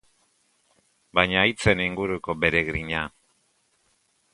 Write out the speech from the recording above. Baina hitzen inguruko bere grina!